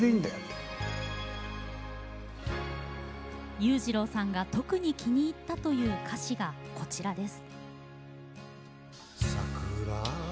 裕次郎さんが特に気に入ったという歌詞がこちらです。